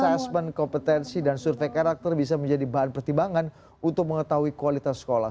assessment kompetensi dan survei karakter bisa menjadi bahan pertimbangan untuk mengetahui kualitas sekolah